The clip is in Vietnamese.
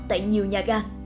tại nhiều nhà ga